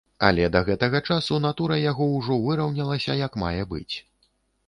Але да гэтага часу натура яго ўжо выраўнялася як мае быць.